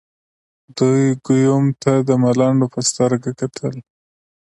دوی ګیوم ته د ملنډو په سترګه کتل.